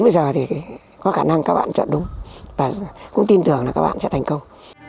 nhưng mà mình nghĩ đến bây giờ thì có khả năng các bạn chọn đúng và cũng tin tưởng là các bạn sẽ thành công